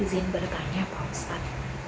izin bertanya pak ustadz